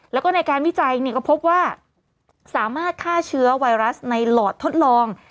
แล้วก็ในการวิจัยก็พบว่าสามารถฆ่าเชื้อไวรัสในหลอดทดลอง